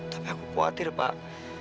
tapi aku khawatir pak